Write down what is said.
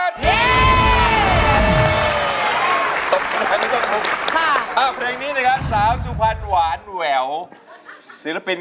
ระวังคุณพ่อนะ